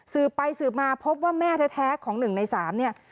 สืบไปสืบมาพบว่าแม่แท้ของหนึ่งในสามเนี่ย